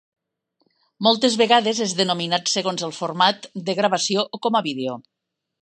Moltes vegades és denominat segons el format de gravació o com a vídeo.